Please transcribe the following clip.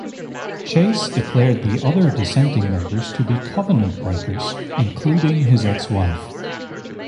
Chase declared the other dissenting members to be Covenant-breakers, including his ex-wife.